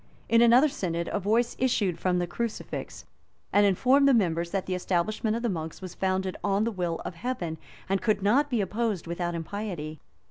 In another synod, a voice issued from the crucifix, and informed the members that the establishment of the monks was founded on the will of Heaven and could not be opposed without impiety.